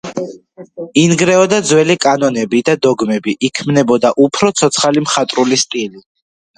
ინგრეოდა ძველი კანონები და დოგმები, იქმნებოდა, უფრო ცოცხალი მხატვრული სტილი.